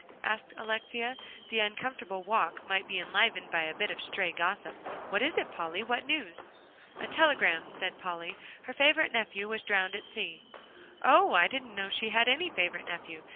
asked Alexia; the uncomfortable walk might be enlivened by a bit of stray gossip; "what is it, Polly? What news?" "A telegram," said Polly. "Her favorite nephew was drowned at sea." "Oh! I didn't know she had any favorite nephew.